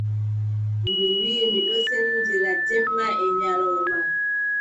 Ndu wii: mi ɗon sendindira jemma bee nyalawma.